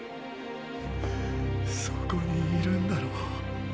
そこにいるんだろ？